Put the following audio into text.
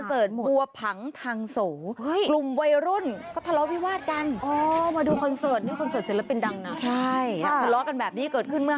เอาโต๊ะทุ่มใส่กันแบบนี้ค่ะ